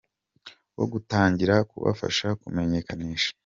wo gutangira kubafasha kumenyekanisha.